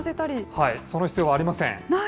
その必要はありません。